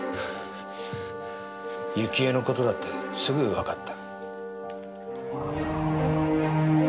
雪江の事だってすぐわかった。